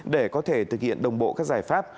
để có thể thực hiện đồng bộ các giải pháp